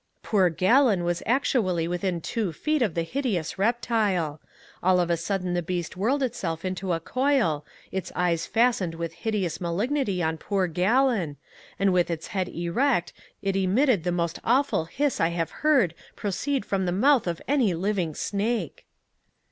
"Poor Gallon was actually within two feet of the hideous reptile. All of a sudden the beast whirled itself into a coil, its eyes fastened with hideous malignity on poor Gallon, and with its head erect it emitted the most awful hiss I have heard proceed from the mouth of any living snake."